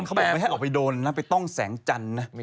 เขาบอกไม่ให้ออกไปโดนนะไปต้องแสงจันทร์นะ